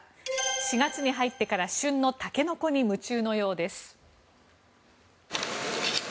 ４月に入ってから旬のタケノコに夢中のようです。